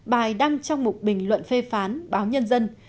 bài đăng trong một bình luận phê phán báo nhân dân